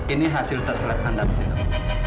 ini hasil tes rep anda masyarakat